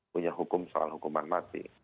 punya hukum soal hukuman mati